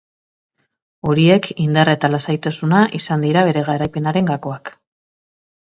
Horiek, indarra eta lasaitasuna, izan dira bere garaipenaren gakoak.